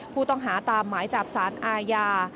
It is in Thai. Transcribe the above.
ผู้ต้องหาตามหมายจับสารอาญา